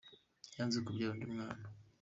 yenze kubyara undi mwana